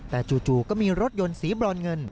แต่จู่ก็มีรถยนต์สีบรอนเงิน